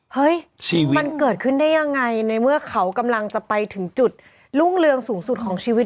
เฮ้ยชีวิตมันเกิดขึ้นได้ยังไงในเมื่อเขากำลังจะไปถึงจุดรุ่งเรืองสูงสุดของชีวิต